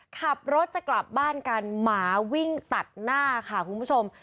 ขับรถจะกลับบ้านกันหมาวิ่งตัดหน้าค่ะคุณผู้ชม